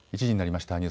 １時になりました。